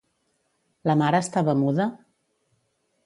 La mare estava muda?